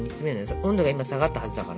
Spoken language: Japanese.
温度が今下がったはずだから。